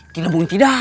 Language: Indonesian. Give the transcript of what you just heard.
tidak mungkin tidak